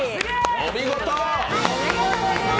お見事！